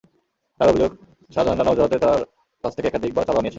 তাঁর অভিযোগ, শাহজাহান নানা অজুহাতে তাঁর কাছ থেকে একাধিকবার চাঁদা নিয়েছেন।